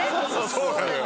そうなのよ。